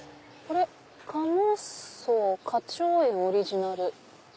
「加茂荘花鳥園オリジナル」。